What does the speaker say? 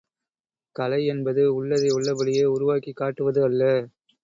கலை என்பது உள்ளதை உள்ளபடியே உருவாக்கிக் காட்டுவது அல்ல.